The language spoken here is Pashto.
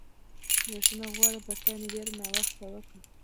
بښنه غواړم، پر تا مې ډېر ناوخته وکړ.